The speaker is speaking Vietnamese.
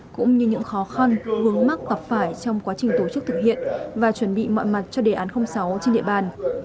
cũng như những khó khăn vướng mắc gặp phải trong quá trình tổ chức thực hiện và chuẩn bị mọi mặt cho đề án sáu trên địa bàn